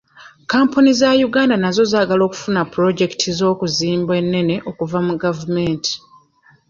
Kampuni za Uganda nazo zaagala okufuna pulojekiti z'okuzimba ennene okuva mu gavumenti.